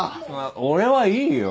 俺はいいよ。